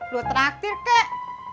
lu terakhir kek